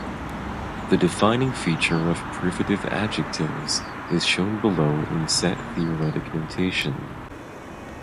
The defining feature of privative adjectives is shown below in set theoretic notation.